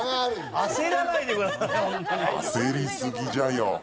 焦りすぎじゃよ。